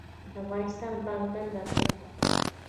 د افغانستان بانک دنده څه ده؟